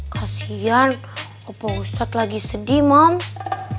kasian opo ustad lagi sedih mams